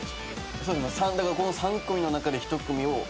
そうです。